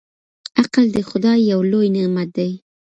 عقل د خدای يو لوی نعمت دی.